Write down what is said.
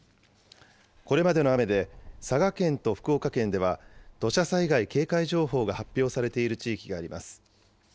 これまでの雨で、佐賀県と福岡県では土砂災害警戒情報が発表されている地域があります。